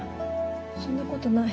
そんなことない。